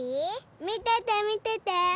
みててみてて！